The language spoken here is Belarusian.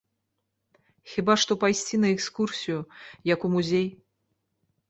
Хіба што пайсці на экскурсію, як у музей.